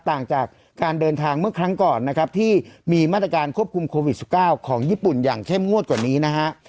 ต่างจากการเดินทางเมื่อครั้งก่อนนะครับที่มีมาตรการควบคุมโควิด๑๙ของญี่ปุ่นอย่างเข้มงวดกว่านี้นะฮะ